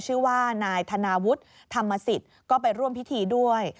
ชื่อว่านายธนาวุฒิธรรมสิทธิ์ก็ไปร่วมพิธีด้วย